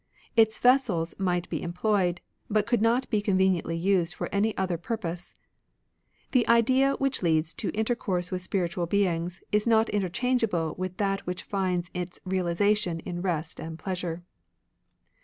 Its vessels might be employed, but could not be conveniently used for any other pur pose. The idea which leads to intercourse with spiritual Beings is not interchangeable with that which finds its realisation in rest and pleasure."